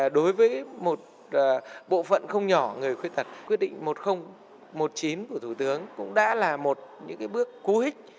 đối với một bộ phận không nhỏ người khuyết tật quyết định một nghìn một mươi chín của thủ tướng cũng đã là một bước cú hích